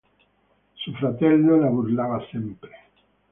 Suo fratello la burlava sempre.